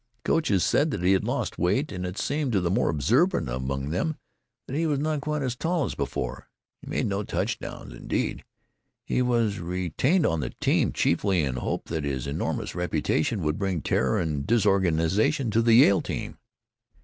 The coaches said that he had lost weight, and it seemed to the more observant among them that he was not quite as tall as before. He made no touchdowns indeed, he was retained on the team chiefly in hope that his enormous reputation would bring terror and disorganisation to the Yale team.